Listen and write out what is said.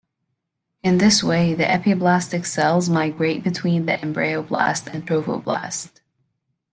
In this way the epiblastic cells migrate between the embryoblast and trophoblast.